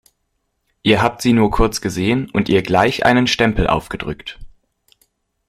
Ihr habt sie nur kurz gesehen und ihr gleich einen Stempel aufgedrückt.